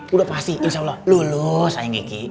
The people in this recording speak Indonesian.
udah pasti insya allah lulus ayang kiki